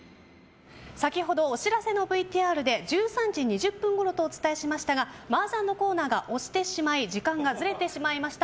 先ほどお知らせのＶＴＲで１３時２０分ごろとお伝えしましたがマージャンのコーナーが押してしまい時間がずれてしまいました。